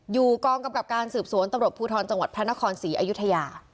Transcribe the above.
อยู่กองกำกับการสืบสวนตำรวจภูทรจังหวัดพระนครศรีอยุธยา